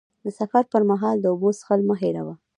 د سفر پر مهال د اوبو څښل مه هېروه.